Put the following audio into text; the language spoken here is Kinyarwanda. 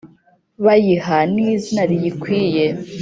Bayiha n'izina riyikwiye